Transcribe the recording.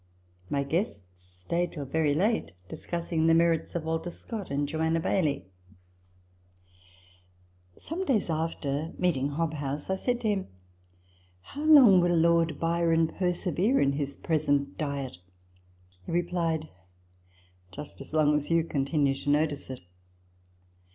My guests stayed till very late, discussing the merits of Walter Scott and Joanna Baillie. Some days after, meet ing Hobhouse, I said to him, " How long will Lord Byron persevere in his present diet ?" He replied, " Just as long as you continue to notice it."